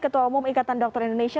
ketua umum ikatan dokter indonesia